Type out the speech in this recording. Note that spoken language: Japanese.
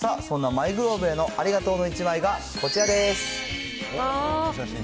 さあ、そんなマイグローブへのありがとうの１枚がこちらです。